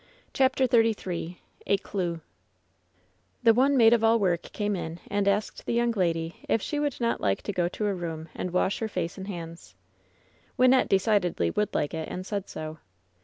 CHAPTER XXXni A CUEW The one maid of all work came in and asked the young lady if she would not like to go to a room and wash her face and hands. Wynnette decidedly would like it, and said so.